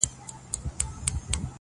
سهاد معلوم سو په لاسونو کي گړۍ نه غواړم~